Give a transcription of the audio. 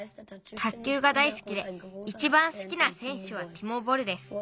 卓球が大好きでいちばん好きなせんしゅはティモ・ボルです。